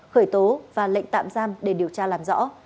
khởi tố và lệnh tạm giam để điều tra làm rõ